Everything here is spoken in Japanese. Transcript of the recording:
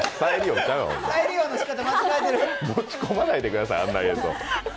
持ち込まないでくださいあんな映像。